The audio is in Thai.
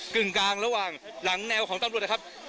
กึ่งกลางระหว่างหลังแนวของตำรวจนะครับ